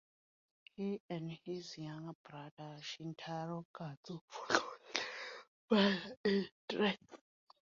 He and his younger brother, Shintaro Katsu, followed their father in the theater.